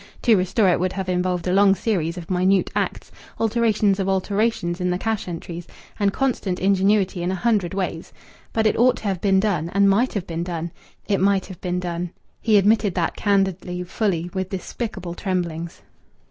To restore it would have involved a long series of minute acts, alterations of alterations in the cash entries, and constant ingenuity in a hundred ways. But it ought to have been done, and might have been done. It might have been done. He admitted that candidly, fully, with despicable tremblings....